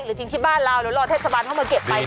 หรือทิ้งที่บ้านเราหรือรอท่านพระบาลเข้ามาเก็บไปดีกว่า